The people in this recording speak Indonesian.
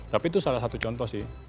tapi itu salah satu contoh sih